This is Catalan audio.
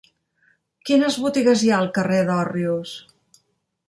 Quines botigues hi ha al carrer d'Òrrius?